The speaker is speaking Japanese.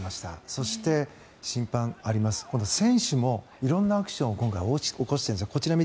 そして選手も色々なアクションを起こしているんです。